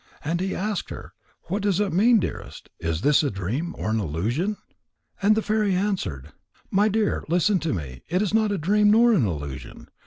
And he asked her: "What does it mean, dearest? Is this a dream, or an illusion?" And the fairy answered: "My dear, listen to me. It is not a dream, nor an illusion.